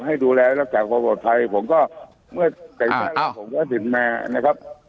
ให้ดูแลรักษาความปลอดภัยผมก็เมื่อแต่งตั้งผมก็ถึงมานะครับ